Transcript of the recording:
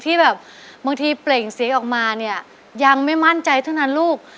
ที่แบบบางทีเปล่งสีออกมาเนี่ยยังไม่มั่นใจเท่านั้นลูก